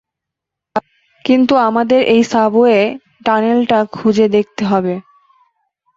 কিন্তু আমাদের এই সাবওয়ে টানেলটা খুঁজে দেখতে হবে।